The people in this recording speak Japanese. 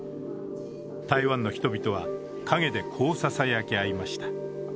台湾の人々は陰でこうささやき合いました。